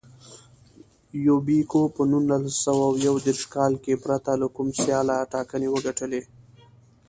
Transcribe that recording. یوبیکو په نولس سوه یو دېرش کال کې پرته له کوم سیاله ټاکنې وګټلې.